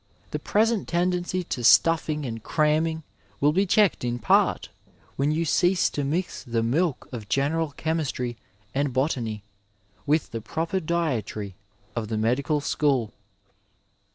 The present tendency to stuffing and cramming will be checked in part when you cease to mix the milk of general chemistry and botany with the proper dietary of the medical school.